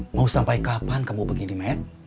mau sampai kapan kamu begini med